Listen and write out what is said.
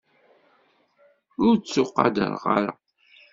Ur ttuqadreɣ ara.